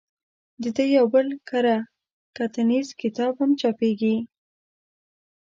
د ده یو بل کره کتنیز کتاب هم چاپېږي.